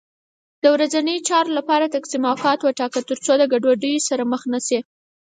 ورځنیو چارو لپاره تقسیم اوقات وټاکه، تر څو له ګډوډۍ سره مخ نه شې